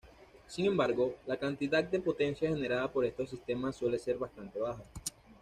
Sin embargo, la cantidad de potencia generada por estos sistemas suele ser bastante baja.